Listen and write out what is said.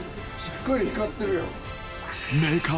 しっかり光ってるやん。